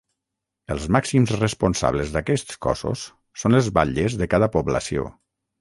Els màxims responsables d’aquests cossos són els batlles de cada població.